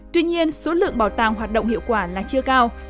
tuy nhiên số lượng bảo tàng hoạt động hiệu quả là chưa cao